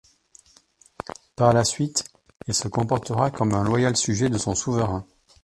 Par la suite il se comportera comme un loyal sujet de son souverain.